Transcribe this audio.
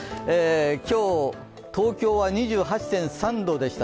今日は東京は２８．３度でした。